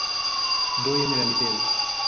Do jen la nivelo.